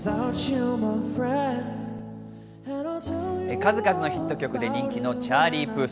数々のヒット曲で人気のチャーリー・プース。